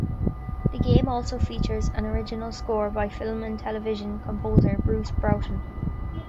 The game also features an original score by film and television composer Bruce Broughton.